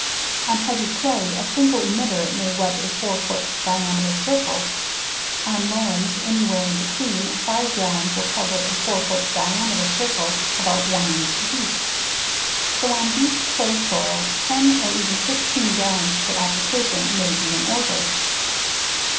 On heavy clay, a single emitter may wet a 4 foot diameter circle, on loams, anywhere in between, 5 gallons will cover a 4 foot diameter circle about 1 inch deep. So on deep, clay soil, 10 or even 15 gallons per application may be in order.